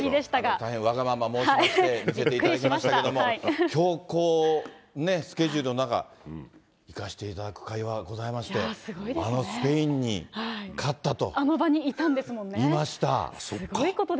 大変わがまま申しまして、行かせていただきましたけれども、強行スケジュールの中、行かせていただいたかいがございまして、あのスペインに勝ったと。